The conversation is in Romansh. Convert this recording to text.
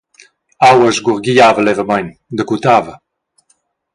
Aua sgurghigliava levamein, daguttava.